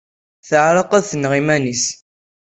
Teɛreḍ ad tenɣ iman-nnes.